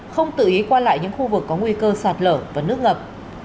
không tự ý qua lại những khu vực có nguy cơ sạt lở và nước ngập